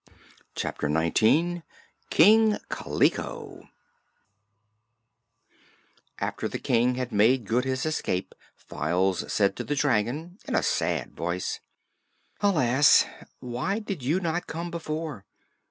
Chapter Nineteen King Kaliko After the King had made good his escape Files said to the dragon, in a sad voice: "Alas! why did you not come before?